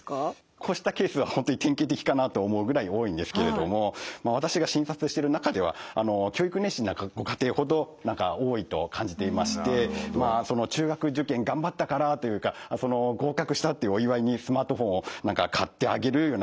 こうしたケースは本当に典型的かなと思うぐらいに多いんですけれどもまあ私が診察してる中では教育熱心なご家庭ほど多いと感じていましてまあ中学受験頑張ったからというか合格したってお祝いにスマートフォンを買ってあげるというようなことが起こるとですね